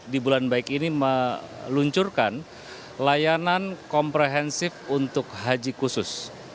di bulan baik ini meluncurkan layanan komprehensif untuk haji khusus